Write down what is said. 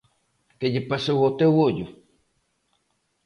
Que lle pasou ao teu ollo?